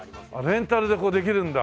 レンタルでこうできるんだ。